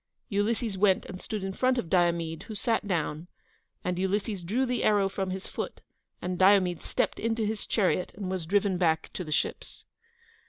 Ulysses went and stood in front of Diomede, who sat down, and Ulysses drew the arrow from his foot, and Diomede stepped into his chariot and was driven back to the ships.